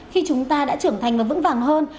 khi chúng ta đã trưởng thành và vững vàng hơn